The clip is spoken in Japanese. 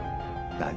何！？